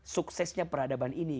suksesnya peradaban ini